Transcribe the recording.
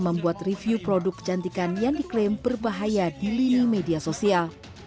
membuat review produk kecantikan yang diklaim berbahaya di lini media sosial